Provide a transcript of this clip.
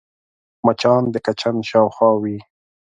مچان د کچن شاوخوا وي